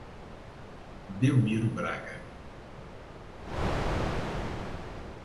Belmiro Braga